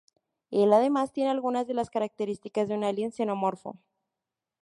Él además tiene algunas de las características de un alien Xenomorfo.